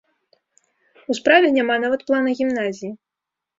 У справе няма нават плана гімназіі.